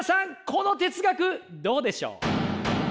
この哲学どうでしょう？